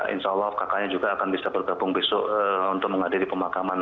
insya allah kakaknya juga akan bisa bergabung besok untuk menghadiri pemakaman